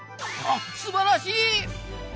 すばらしい！